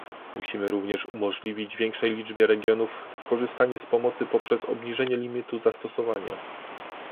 Musimy również umożliwić większej liczbie regionów skorzystanie z pomocy poprzez obniżenie limitu zastosowania